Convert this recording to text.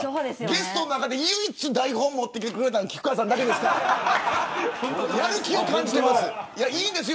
ゲストの中で唯一台本持ってきてくれたのは菊川さんだけですからやる気を感じています。